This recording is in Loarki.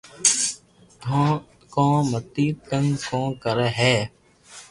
تو ڪو مني تنگ ڪو ڪري ھي